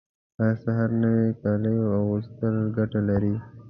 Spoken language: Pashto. هر سهار نوي کالیو اغوستل ګټه لري